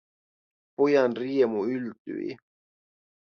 Pojan riemu yltyi.